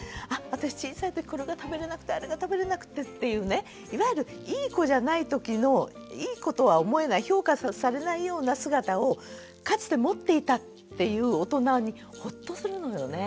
私小さいときこれが食べれなくてあれが食べれなくてっていうねいわゆるいい子じゃないときのいい子とは思えない評価されないような姿をかつて持っていたっていう大人にほっとするのよね。